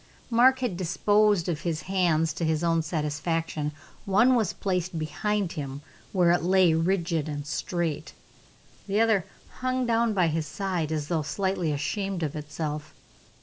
Mark had disposed of his hands to his own satisfaction: one was placed behind him, where it lay rigid and straight, the other hung down by his side as though slightly ashamed of itself.